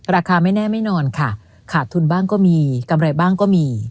ไม่แน่ไม่นอนค่ะขาดทุนบ้างก็มีกำไรบ้างก็มี